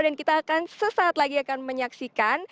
dan kita akan sesaat lagi akan menyaksikan